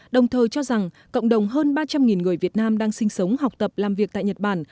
đồng thời cho rằng cộng đồng hơn ba trăm linh người việt nam đang sinh sống học tập làm việc tại nhật bản